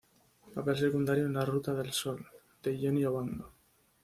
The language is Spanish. Papel secundario en La Ruta del Sol, de Jhonny Obando.